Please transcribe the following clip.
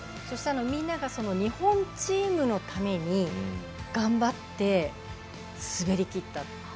みんなが日本チームのために頑張って滑り切った。